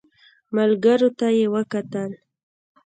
ملګرو ته يې وکتل.